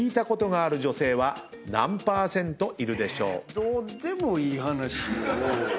どうでもいい話を。